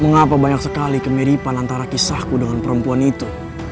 mengapa banyak sekali kemiripan antara kisahku dengan perempuan itu